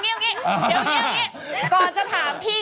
เดี๋ยวก่อนเรากี่